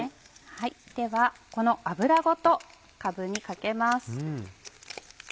ではこの油ごとかぶにかけます。